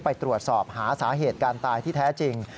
ไปตรวจสอบหาสาเหตุการตายที่แท้จริง